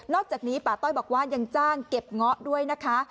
อกจากนี้ป่าต้อยบอกว่ายังจ้างเก็บเงาะด้วยนะคะ